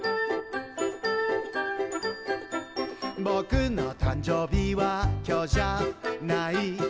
「ボクの誕生日は今日じゃない」